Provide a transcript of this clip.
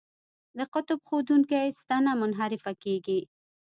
د قطب ښودونکې ستنه منحرفه کیږي.